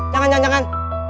jangan jangan jangan